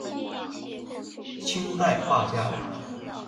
清代画家。